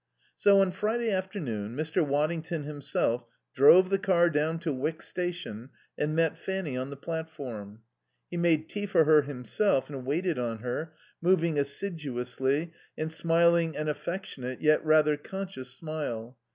So on Friday afternoon Mr. Waddington himself drove the car down to Wyck Station and met Fanny on the platform. He made tea for her himself and waited on her, moving assiduously, and smiling an affectionate yet rather conscious smile.